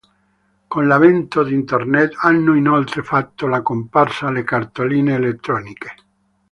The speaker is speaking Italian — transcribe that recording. Con l'avvento di internet, hanno inoltre fatto la comparsa le cartoline elettroniche.